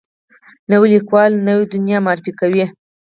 نوی لیکوال نوې دنیا معرفي کوي